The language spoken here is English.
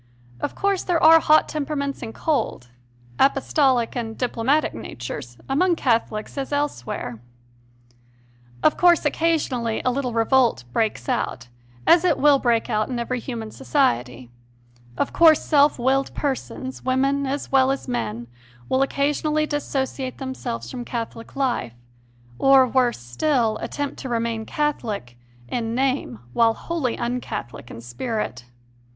Of course there are hot temperaments and cold, apostolic and diplomatic natures, among Catholics, as elsewhere. ISO CONFESSIONS OF A CONVERT Of course occasionally a little revolt breaks out, as it will break out in every human society; of course self willed persons women as well as men will occasionally dissociate themselves from Catholic life, or, worse still, attempt to remain Catholic in name while wholly un Catholic in spirit.